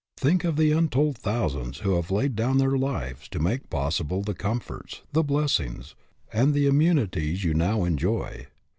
Think of the untold thousands who have laid down their lives to make possible the comforts, the blessings, and the immunities you now enjoy.